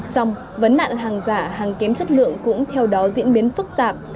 xong vấn nạn hàng giả hàng kém chất lượng cũng theo đó diễn biến phức tạp